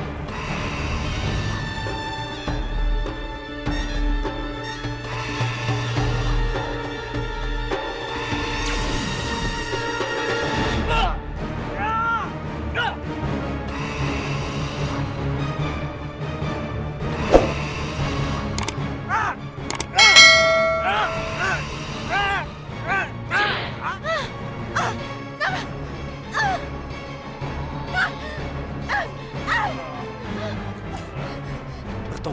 tuhanmu atau ularmu